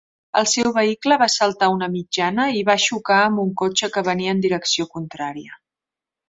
El seu vehicle va saltar una mitjana i va xocar amb un cotxe que venia en direcció contrària.